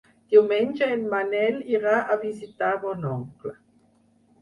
Diumenge en Manel irà a visitar mon oncle.